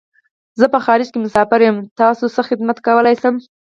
زه په خارج کی مسافر یم . زه تاسو څه خدمت کولای شم